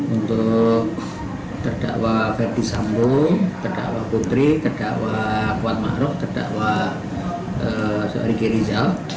untuk terdakwa verdi sambo terdakwa putri terdakwa kuat maruf terdakwa riki rizal